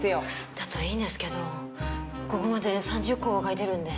だといいんですけどここまで３０稿は書いてるんで。